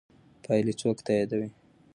پایلې څوک تاییدوي؟